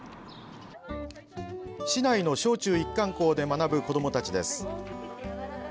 市内の小中一貫校で学ぶ子どもたちです。